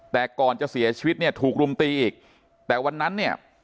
แต่ก่อนจะเสียชีวิตเนี่ยถูกรุมตีอีกแต่วันนั้นเนี่ย